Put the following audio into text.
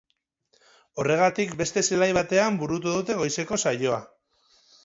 Horregatik beste zelai batean burutu dute goizeko saioa.